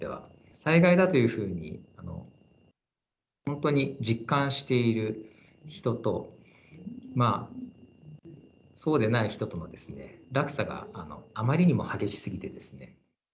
災害だというふうに、本当に実感している人と、そうでない人との落差があまりにも激しすぎてですね。